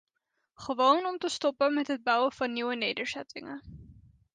Gewoon om te stoppen met het bouwen van nieuwe nederzettingen.